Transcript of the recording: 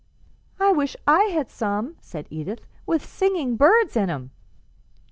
'" "I wish we had some," said Edith, "with singing birds in 'em."